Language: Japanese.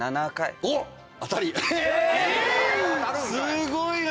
すごいな！